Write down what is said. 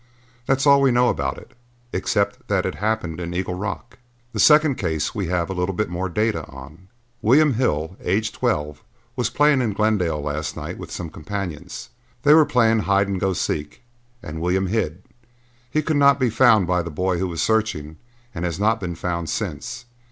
That's all we know about it, except that it happened in Eagle Rock. The second case we have a little more data on. William Hill, aged twelve, was playing in Glendale last night with some companions. They were playing 'hide and go seek' and William hid. He could not be found by the boy who was searching and has not been found since.